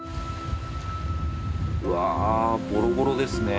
うわボロボロですね。